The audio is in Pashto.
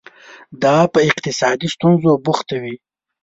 دا په اقتصادي ستونزو بوختوي.